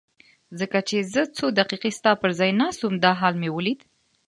ځکه چې زه څو دقیقې ستا پر ځای ناست وم دا حال مې ولید.